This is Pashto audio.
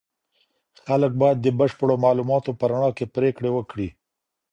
خلګ باید د بشپړو معلوماتو په رڼا کي پریکړې وکړي.